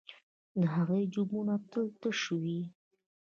د هغوی جېبونه تل تش وي